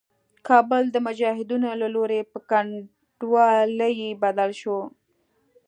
کابل د مجاهدينو له لوري په کنډوالي بدل شو.